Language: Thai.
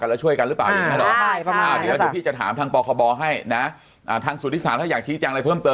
รวมทั้งรวมกันแล้ว๘๐คนได้